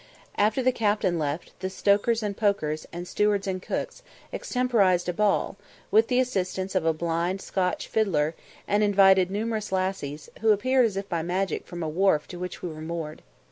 After the captain left, the stokers and pokers, and stewards and cooks, extemporised a ball, with the assistance of a blind Scotch fiddler, and invited numerous lassies, who appeared as if by magic from a wharf to which we were moored.